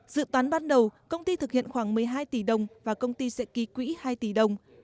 dự toán ban đầu công ty thực hiện khoảng một mươi hai tỷ đồng và công ty sẽ ký quỹ hai tỷ đồng